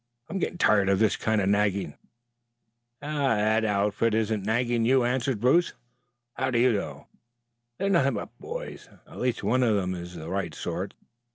"I'm getting tired of this kind of nagging." "That outfit isn't nagging you," answered Bruce. "How do you know?" "They are nothing but boys. At least one of them is the right sort.